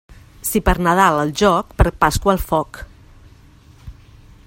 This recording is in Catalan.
Si per Nadal al joc, per Pasqua al foc.